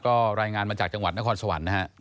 ก็รายงานมาจากจังหวัดนครสวรรค์นะฮะ